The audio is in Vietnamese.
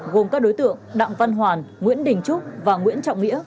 gồm các đối tượng đặng văn hoàn nguyễn đình trúc và nguyễn trọng nghĩa